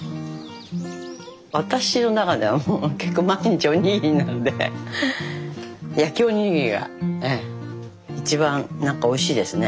私の中ではもう結構毎日おにぎりなんで焼きおにぎりが一番なんかおいしいですね。